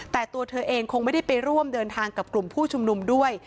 แต่ตัวเธอเองคงไม่ได้ไปร่วมเดินทางกับกลุ่มผู้ชุมนุมด้วย